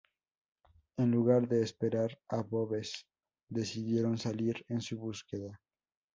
En lugar de esperar a Boves, decidieron salir en su búsqueda.